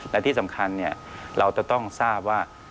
และที่สำคัญเราจะต้องทราบว่า